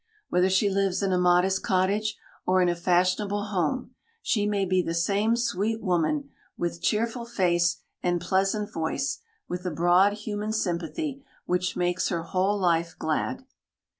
Whether she lives in a modest cottage, or in a fashionable home, she may be the same sweet woman, with cheerful face and pleasant voice with a broad human sympathy which makes her whole life glad.